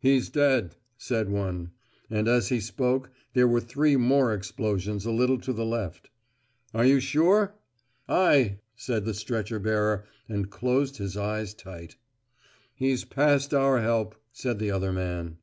"He's dead," said one. And as he spoke there were three more explosions a little to the left. "Are you sure?" "Aye," said the stretcher bearer and closed his eyes tight. "He's past our help," said the other man.